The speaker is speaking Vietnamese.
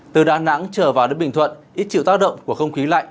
từ đà nẵng trở vào đến bình thuận ít chịu tác động của không khí lạnh